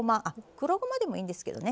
黒ごまでもいいんですけどね